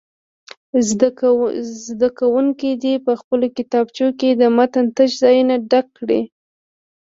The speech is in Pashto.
زده کوونکي دې په خپلو کتابچو کې د متن تش ځایونه ډک کړي.